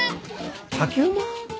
竹馬！？